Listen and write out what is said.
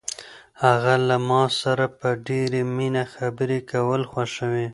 هغه له ما سره په ډېرې مینه خبرې کول خوښوي.